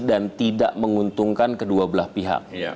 dan tidak menguntungkan kedua belah pihak